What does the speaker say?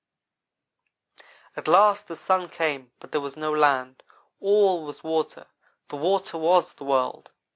"At last the sun came but there was no land. All was water. The water was the world.